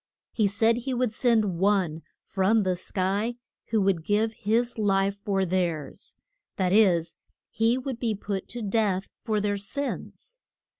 He said he would send One from the sky who would give his life for theirs: that is, he would be put to death for their sins.